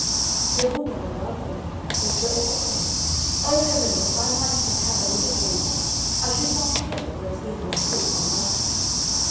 The woman, above all, was for ever saying, "O heavens! if I might but have a little baby I should not care, were it even a sprig of a myrtle."